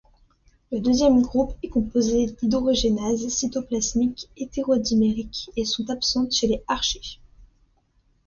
Le deuxième groupe est composé d’hydrogénases cytoplasmiques hétérodimériques et sont absentes chez les archées.